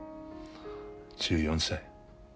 １４歳。